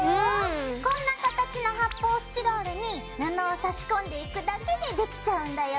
こんな形の発泡スチロールに布を差し込んでいくだけでできちゃうんだよ。